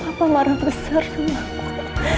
papa marah besar sama aku